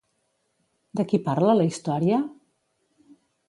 De qui parla la història?